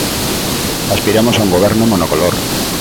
Aspiramos a un Goberno monocolor.